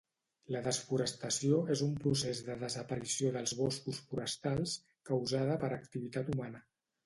La desforestació és un procés de desaparició dels boscos forestals causada per activitat humana